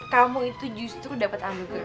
kamu itu justru dapet anugerah